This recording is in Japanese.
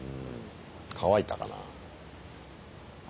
乾いたかなあ。